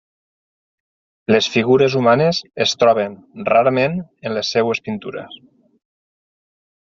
Les figures humanes es troben rarament en les seves pintures.